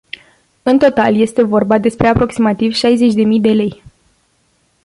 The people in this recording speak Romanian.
În total este vorba despre aproximativ șaizeci de mii de lei.